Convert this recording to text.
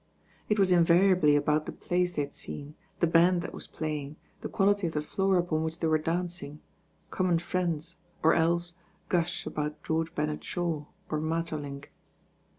It was invariably about the plays they had seen, the band that was playing, the quality of the floor upon which they were dancing, common friends, or else gush about George Bernard Shaw, or Maeterlinck.